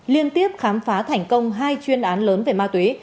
liên tiếp khám phá thành công hai chuyên án lớn về ma túy